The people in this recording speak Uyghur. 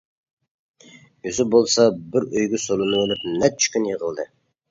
ئۆزى بولسا بىر ئۆيگە سولىنىۋېلىپ نەچچە كۈن يىغلىدى.